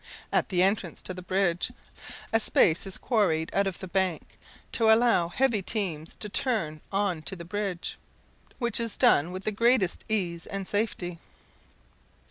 At the entrance to the bridge, a space is quarried out of the bank to allow heavy teams to turn on to the bridge, which is done with the greatest ease and safety.